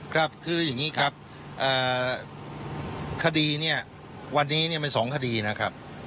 ครับคืออย่างนี้ครับคดีเนี่ยวันนี้มัน๒คดีนะครับ